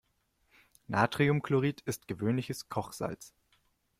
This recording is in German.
Natriumchlorid ist gewöhnliches Kochsalz.